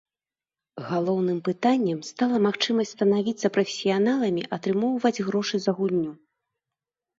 Галоўным пытаннем стала магчымасць станавіцца прафесіяналамі, атрымоўваць грошы за гульню.